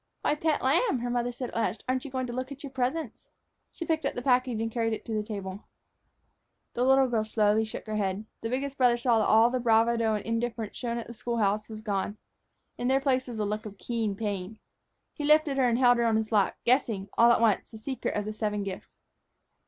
"Why, pet lamb," her mother said at last, "aren't you going to look at your presents?" She picked up the package and carried it to the table. The little girl slowly shook her head. The biggest brother saw that all the bravado and indifference shown at the school house were gone. In their place was a look of keen pain. He lifted her and held her on his lap, guessing, all at once, the secret of the seven gifts.